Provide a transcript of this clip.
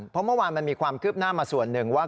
เพราะเมื่อวานมันมีความคืบหน้ามาส่วนหนึ่งว่า